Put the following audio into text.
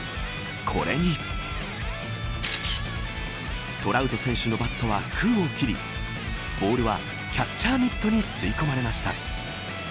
これにトラウト選手のバットは空を切りボールはキャッチャーミットに吸い込まれました。